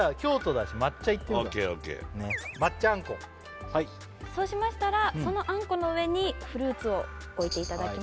俺じゃあオーケーオーケーねっ抹茶あんこはいそうしましたらそのあんこの上にフルーツを置いていただきます